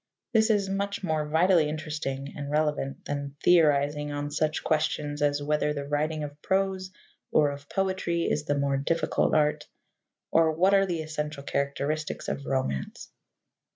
This is much more vitally interesting and relevant than theorizing on such questions as whether the writing of prose or of poetry is the more difficult art, or what are the essential characteristics of romance.